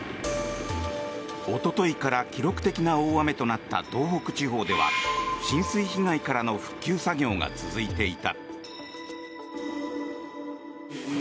おとといから記録的な大雨となった東北地方では浸水被害からの復旧作業が続いていた。